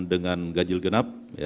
dengan gajil genap